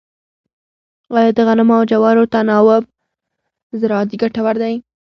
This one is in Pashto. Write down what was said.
آیا د غنمو او جوارو تناوب زراعتي ګټور دی؟